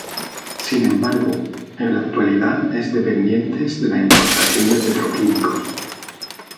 Sin embargo, en la actualidad es dependientes de la importación de petroquímicos.